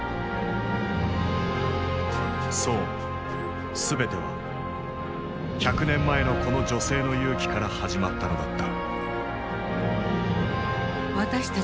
そう全ては百年前のこの女性の勇気から始まったのだった。